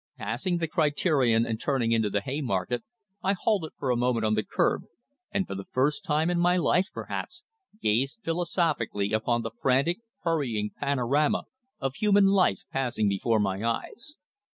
Passing the Criterion and turning into the Haymarket, I halted for a moment on the kerb, and for the first time in my life, perhaps, gazed philosophically upon the frantic, hurrying panorama of human life passing before my eyes.